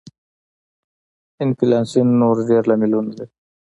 انفلاسیون نور ډېر لاملونه لري.